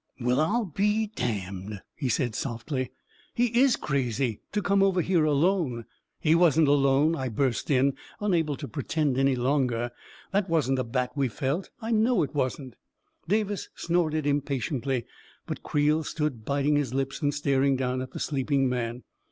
M Well, m be damned! " he said softly. " He is crazy I To come over here alone ..."" He wasn't alone," I burst in, unable to pretend any longer. " That wasn't a bat we felt — I know it wasn't I " Davis snorted impatiently, but Creel stood biting his lips and staring down at the sleeping man.